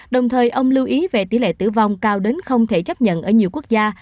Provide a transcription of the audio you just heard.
đồng thời ông lưu ý về tỷ lệ tử vong cao đến không thể chấp nhận ở nhiều quốc gia